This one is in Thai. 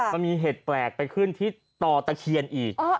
มันมีเห็ดแปลกไปขึ้นที่ต่อตะเคียนอีก